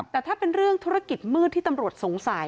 แต่ถ้าเป็นเรื่องธุรกิจมืดที่ตำรวจสงสัย